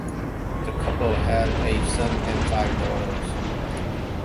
The couple had a son and five daughters.